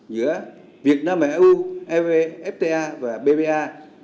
giữa việt nam và eu fta và bpa